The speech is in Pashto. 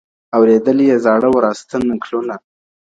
اورېدلي یې زاړه وراسته نکلونه.